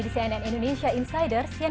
di cnn indonesia insiders yang